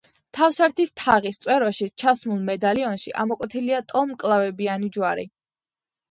თავსართის თაღის წვეროში ჩასმულ მედალიონში ამოკვეთილია ტოლმკლავებიანი ჯვარი.